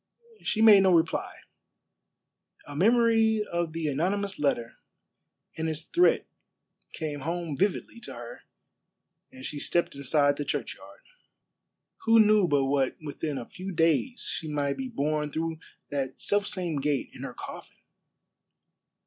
She made no reply. A memory of the anonymous letter and its threat came home vividly to her as she stepped inside the churchyard. Who knew but what within a few days she might be borne through that self same gate in her coffin?